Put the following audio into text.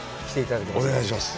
ぜひお願いします。